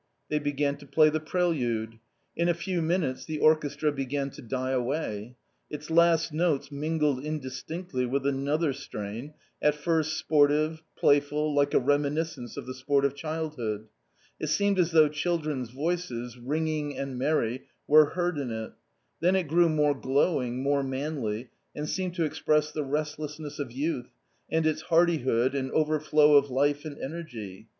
They began to play the. prelude. In a few minutes the orchestra began to die away. Its last notes mingled in distinctly with another strain, at first sportive, playful, like a reminiscence of the sport of childhood; it seemed as though children's voices, ringing and merry, were heard in it ; then it grew more glowing, more manly, and seemed to express the restlessness of youth, and its hardihood and overflow of life and energy.